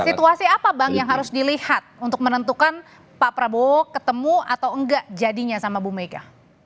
situasi apa bang yang harus dilihat untuk menentukan pak prabowo ketemu atau enggak jadinya sama bu mega